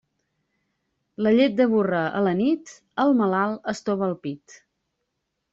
La llet de burra a la nit, al malalt estova el pit.